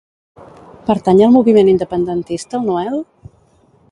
Pertany al moviment independentista el Noel?